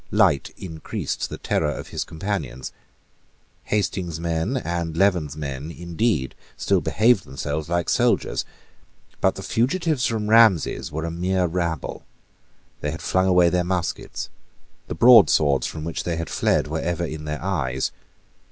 Light increased the terror of his companions. Hastings's men and Leven's men indeed still behaved themselves like soldiers. But the fugitives from Ramsay's were a mere rabble. They had flung away their muskets. The broadswords from which they had fled were ever in their eyes.